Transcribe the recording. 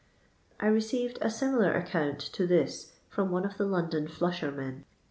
I received a similar account to this from one of the London flnshermen.